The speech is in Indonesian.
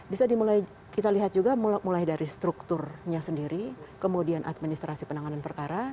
bisa dimulai kita lihat juga mulai dari strukturnya sendiri kemudian administrasi penanganan perkara